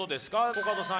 コカドさん